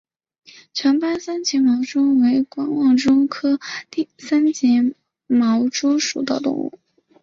长斑三栉毛蛛为管网蛛科三栉毛蛛属的动物。